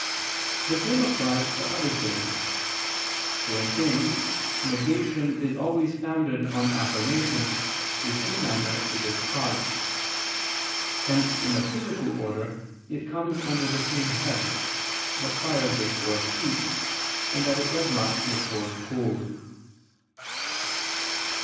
The same applies to other sins: for in things, negation is always founded on affirmation, which, in a manner, is its cause. Hence in the physical order it comes under the same head, that fire gives forth heat, and that it does not give forth cold.